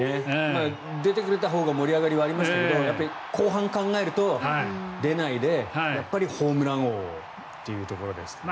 出てくれたほうが盛り上がりはありましたけどやっぱり後半を考えると出ないでホームラン王というところですかね。